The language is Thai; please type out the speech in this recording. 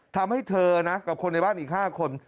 ทำให้เธอนะกับคนในบ้านอีก๕คน